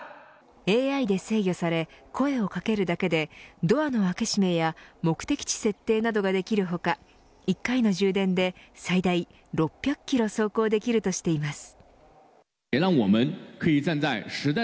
ＡＩで制御され声を掛けるだけでドアの開け閉めや目的地設定などができる他一回の充電で最大６００キロ走行できるとしています。